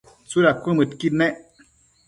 tsuda cuëmëdqui nec?